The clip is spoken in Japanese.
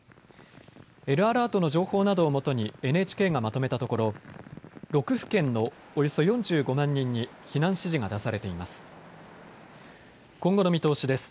Ｌアラートの情報などをもとにＮＨＫがまとめたところ６府県のおよそ４５万人に避難指示が出されています。